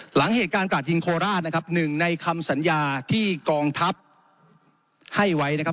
หลังเหตุการณ์กราดยิงโคราชนะครับหนึ่งในคำสัญญาที่กองทัพให้ไว้นะครับ